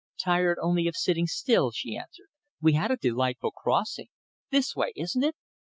"Tired only of sitting still," she answered. "We had a delightful crossing. This way, isn't it?"